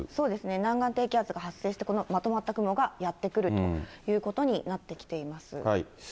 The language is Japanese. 南岸低気圧が発生して、このまとまった雲がやって来るということになってきています。